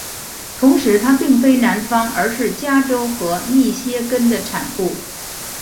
同时它并非南方而是加州和密歇根的产物。